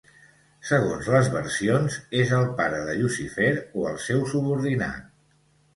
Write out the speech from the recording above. Segons les versions, és el pare de Llucifer o el seu subordinat.